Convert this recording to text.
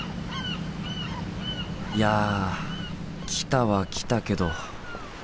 いや来たは来たけど。